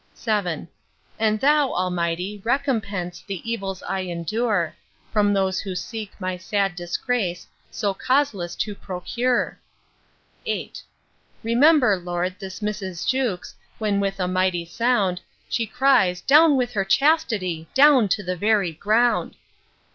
VII. And thou, Almighty, recompense The evils I endure, From those who seek my sad disgrace, So causeless, to procure. VIII. Remember, Lord, this Mrs. Jewkes, When, with a mighty sound, She cries, Down with her chastity, Down to the very ground!